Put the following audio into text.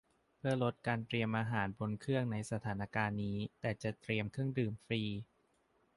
เพื่อลดการเตรียมอาหารบนเครื่องในสถานการณ์นี้ แต่จะแจกเครื่องดื่มฟรี